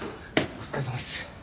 お疲れさまです。